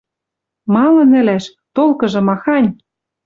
Малын ӹлӓш? Толкыжы махань?